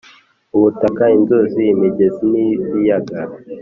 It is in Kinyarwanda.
ubutaka inzuzi imigezi n’ ibiyaga